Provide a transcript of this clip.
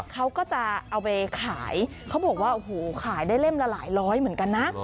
เขาก็จะเอาไปขายเขาบอกว่าโอ้โหขายได้เล่มละหลายร้อยเหมือนกันนะ